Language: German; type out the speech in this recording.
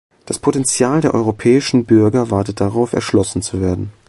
Das Potenzial der europäischen Bürger wartet darauf, erschlossen zu werden.